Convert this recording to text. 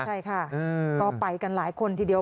ใช่ค่ะก็ไปกันหลายคนทีเดียว